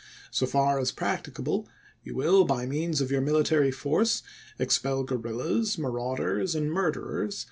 So far as practicable, you will, by means of your Lincoln to military force, expel guerrillas, marauders, and murderers, Oct.